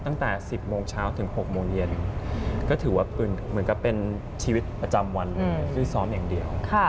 ตั้งแต่๑๐โมงเช้าถึง๖โมงเย็นก็ถือว่าเหมือนกับเป็นชีวิตประจำวันที่ซ้อมอย่างเดียว